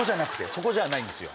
そこじゃないんですよ